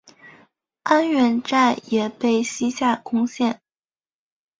安远寨也被西夏攻陷。